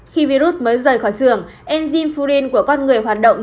khi virus mới rời khỏi xưởng enzym furin của con người hoạt động